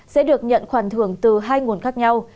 sẽ được nhận khoản thưởng từ hai nguồn khác nhau